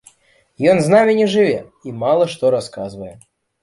Ён з намі не жыве і мала што расказвае.